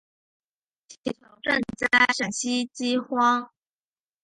请求赈灾陕西饥荒。